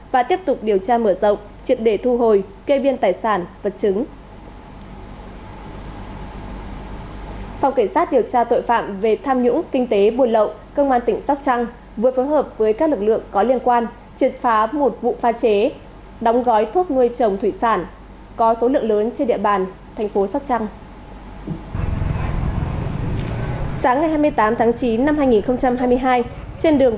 và tiếp tục điều tra mở rộng triệt đề thu hồi kê biên tài sản vật chứng